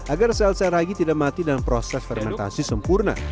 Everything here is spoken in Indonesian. agar sel sel ragi tidak mati dalam proses fermentasi sempurna